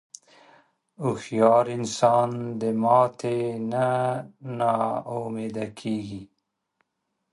هوښیار انسان د ماتې نه نا امیده نه کېږي.